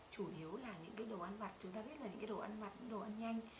chủ yếu là những đồ ăn vặt chúng ta biết là những đồ ăn vặt những đồ ăn nhanh